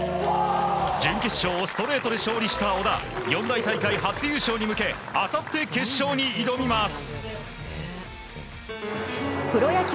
準決勝をストレートで勝利した小田四大大会初優勝に向けあさって、決勝に挑みます。